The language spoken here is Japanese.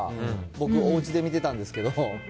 僕、おうちで見てたんですけど。